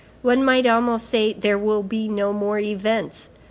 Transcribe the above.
One might almost say: There will be no more events.